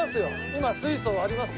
今水素ありますよ。